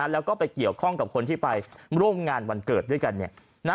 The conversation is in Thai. แล้วก็ไปเกี่ยวข้องกับคนที่ไปร่วมงานวันเกิดด้วยกัน